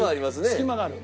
隙間がある。